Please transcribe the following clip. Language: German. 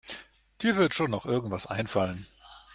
Dir wird schon noch irgendetwas einfallen.